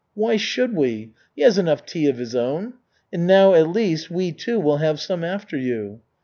"Why should we? He has enough tea of his own. And now, at least, we, too, will have some after you.